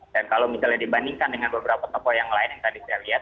dan kalau misalnya dibandingkan dengan beberapa tokoh yang lain yang tadi saya lihat